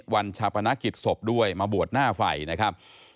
วันชาปนกิจศพด้วยมาบวชหน้าไฟนะครับ